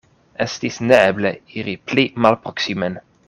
Estis neeble iri pli malproksimen.